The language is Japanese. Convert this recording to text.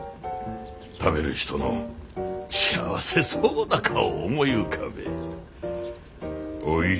食べる人の幸せそうな顔を思い浮かべえ。